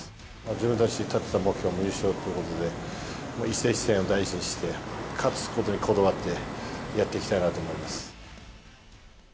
自分たちが立てた目標も優勝ということで、一戦一戦を大事にして、勝つことにこだわってやっていきたいなと思います。